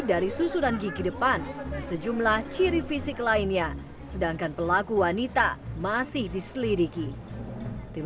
dari susunan gigi depan sejumlah ciri fisik lainnya sedangkan pelaku wanita masih diselidiki tim